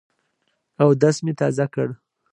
اودس مي تازه کړ .